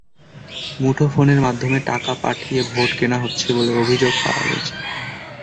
মুঠোফোনের মাধ্যমে টাকা পাঠিয়ে ভোট কেনা হচ্ছে বলে অভিযোগ পাওয়া গেছে।